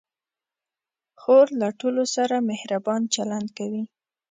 خور له ټولو سره مهربان چلند کوي.